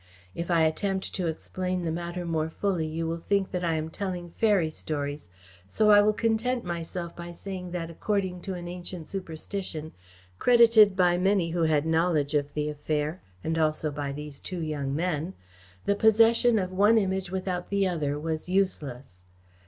If I attempt to explain the matter more fully, you will think that I am telling fairy stories, so I will content myself by saying that, according to an ancient superstition, credited by many who had knowledge of the affair, and also by these two young men, the possession of one Image without the other was useless.